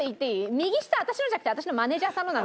右下私のじゃなくて私のマネジャーさんのなのね。